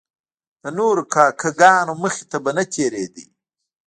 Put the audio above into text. د نورو کاکه ګانو مخې ته به تیریدی.